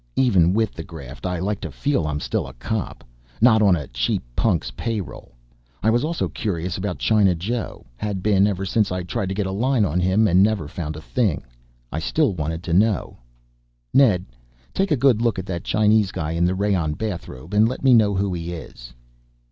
Even with the graft I like to feel I'm still a cop. Not on a cheap punk's payroll. I was also curious about China Joe. Had been ever since I tried to get a line on him and never found a thing. I still wanted to know. "Ned, take a good look at that Chinese guy in the rayon bathrobe and let me know who he is."